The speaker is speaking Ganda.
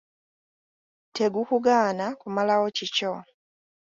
Tegukugaana kumalawo kikyo.